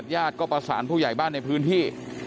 ญาติก็ประสานผู้ใหญ่บ้านในพื้นที่